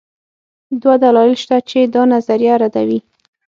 دوه دلایل شته چې دا نظریه ردوي.